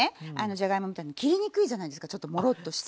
じゃがいもみたいの切りにくいじゃないですかちょっともろっとして。